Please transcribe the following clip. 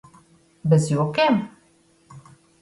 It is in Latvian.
Bez jokiem?